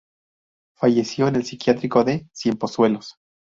Falleció en el psiquiátrico de Ciempozuelos.